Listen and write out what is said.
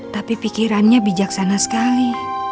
tapi pikirannya bijaksana sekali